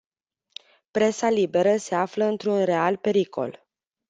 Presa liberă se află într-un real pericol.